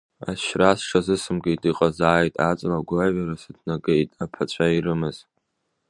Ашьра сҽазысымкит, иҟазааит, аҵла агәаҩара сыҭнагеит, аԥацәа ирымаз!